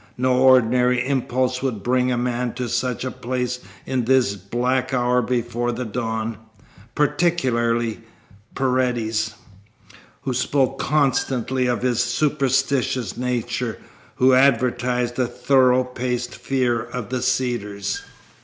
No ordinary impulse would bring a man to such a place in this black hour before the dawn particularly Paredes, who spoke constantly of his superstitious nature, who advertised a thorough paced fear of the Cedars.